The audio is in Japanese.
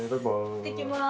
いってきます。